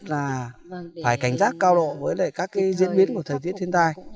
là phải cảnh giác cao độ với các cái diễn biến của thời tiết thiên tai